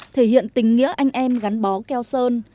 thể hiện tình nghĩa anh em gắn bó keo sơn